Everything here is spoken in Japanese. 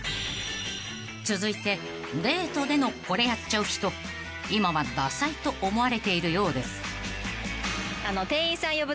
［続いてデートでのこれやっちゃう人今はダサいと思われているようです］